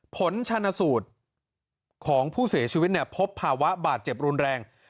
ผลชนสูตรของผู้เสียชีวิตเนี่ยพบภาวะบาดเจ็บรุนแรง